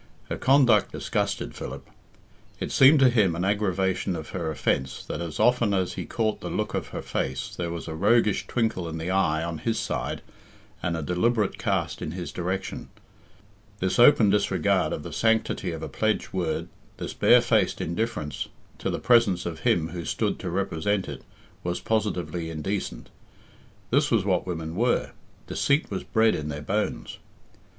Her conduct disgusted Philip. It seemed to him an aggravation of her offence that as often as he caught the look of her face there was a roguish twinkle in the eye on his side, and a deliberate cast in his direction. This open disregard of the sanctity of a pledged word, this barefaced indifference to the presence of him who stood to represent it, was positively indecent. This was what women were! Deceit was bred in their bones.